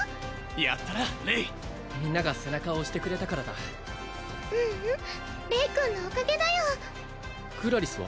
やったなレイみんなが背中を押してくれたからだううんレイ君のおかげだよクラリスは？